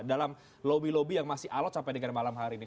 dalam lobby lobby yang masih alot sampai dengan malam hari ini